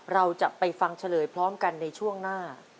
เราจะไปฟังเฉลยพร้อมกันในช่วงหน้า